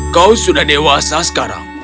kau sudah dewasa sekarang